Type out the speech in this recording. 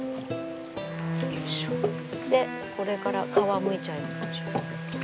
でこれから皮むいちゃいましょう。